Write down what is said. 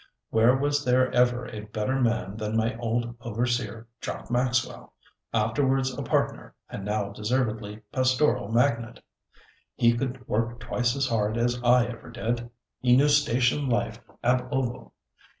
Where was there ever a better man than my old overseer, Jock Maxwell, afterwards partner, and now deservedly pastoral magnate? He could work twice as hard as I ever did; he knew station life ab ovo.